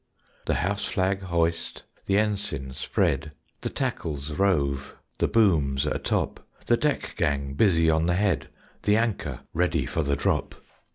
The house flag hoist; the ensign spread; The tackles rove; the booms atop; The deck gang busy on the head; The anchor ready for the drop.